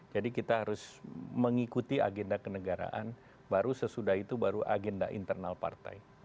jadi kita harus mengikuti agenda kenegaraan baru sesudah itu baru agenda internal partai